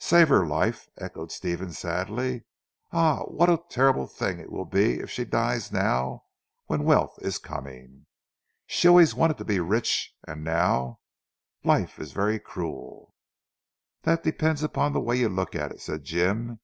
"Save her life," echoed Stephen sadly. "Ah, what a terrible thing it will be if she dies now, when wealth is coming. She always wanted to be rich and now life is very cruel." "That depends upon the way you look at it," said Jim.